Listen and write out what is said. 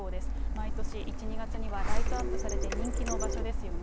毎年１、２月には、ライトアップされて人気の場所ですよね。